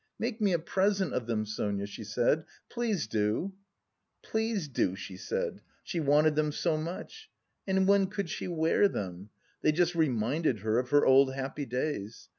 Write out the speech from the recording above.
'Make me a present of them, Sonia,' she said, 'please do.' 'Please do,' she said, she wanted them so much. And when could she wear them? They just reminded her of her old happy days.